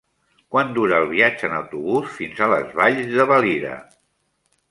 Quant dura el viatge en autobús fins a les Valls de Valira?